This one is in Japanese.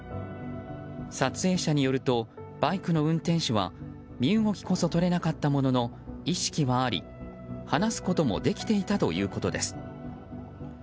撮影者によるとバイクの運転手は身動きこそ取れなかったものの意識はあり話すこともできていたということです。